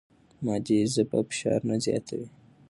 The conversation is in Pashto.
مادي ژبه فشار نه زیاتوي.